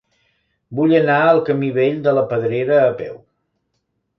Vull anar al camí Vell de la Pedrera a peu.